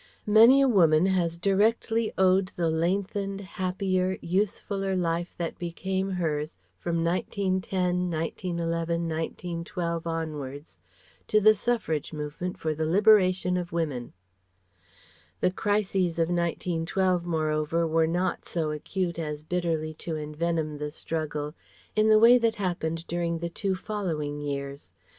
Many a woman has directly owed the lengthened, happier, usefuller life that became hers from 1910 1911 1912 onwards to the Suffrage movement for the Liberation of Women. The crises of 1912 moreover were not so acute as bitterly to envenom the struggle in the way that happened during the two following years.